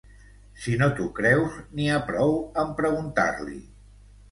Si no t'ho creus, n'hi ha prou amb preguntar-li.